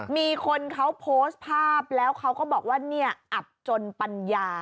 มีคนเขาโพสต์ภาพแล้วเขาก็บอกว่าเนี่ยอับจนปัญญา